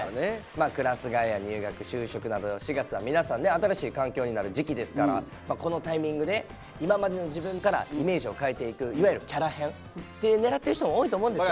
まあクラス替えや入学就職など４月は皆さんね新しい環境になる時期ですからこのタイミングで今までの自分からイメージを変えていくいわゆるキャラ変って狙ってる人多いと思うんですよ。